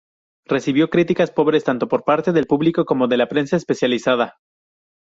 Recibió críticas pobres tanto por parte del público como de la prensa especializada.